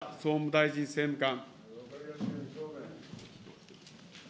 杉田総務大臣政務官。